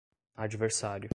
adversário